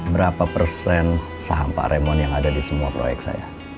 berapa persen saham pak remon yang ada di semua proyek saya